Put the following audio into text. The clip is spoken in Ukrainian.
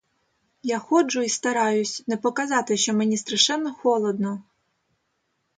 А я ходжу і стараюсь не показати, що мені страшенно холодно.